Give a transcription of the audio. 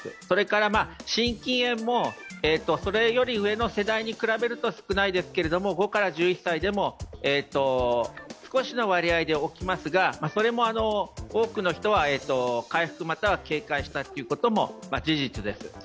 それから、心筋炎もそれより上の世代に比べると少ないですけども５１１歳でも少し割合で起きますがそれも多くの人は回復または軽快したことも事実です。